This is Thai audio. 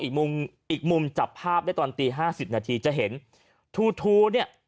อีกมุมอีกมุมจับภาพได้ตอนตีห้าสิบนาทีจะเห็นทูทูเนี่ย